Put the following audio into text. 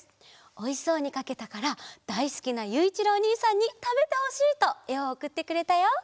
おいしそうにかけたからだいすきなゆういちろうおにいさんにたべてほしいとえをおくってくれたよ。